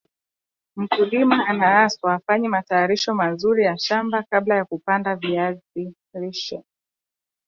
Mkulima anaaswa afanye matayarisho mazuri ya shamba kabla ya kupanda viazi viazi